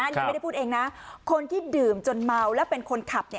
ยังไม่ได้พูดเองนะคนที่ดื่มจนเมาแล้วเป็นคนขับเนี่ย